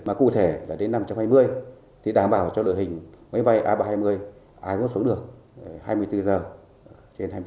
mà cụ thể là đến năm hai nghìn hai mươi thì đảm bảo cho đội hình máy bay a ba trăm hai mươi a ba trăm hai mươi một xuống được hai mươi bốn h trên hai mươi bốn h